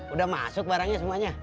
udah masuk barangnya semuanya